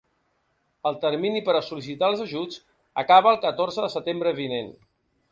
El termini per a sol·licitar els ajuts acaba el catorze de setembre vinent.